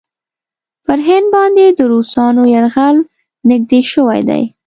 پر هند باندې د روسانو یرغل نېږدې شوی دی.